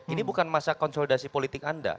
ini bukan masa konsolidasi politik anda